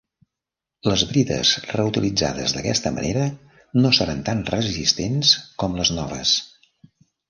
Les brides reutilitzades d'aquesta manera no seran tan resistents com les noves.